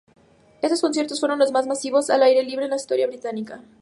Estos conciertos fueron los más masivos al aire libre en la historia británica.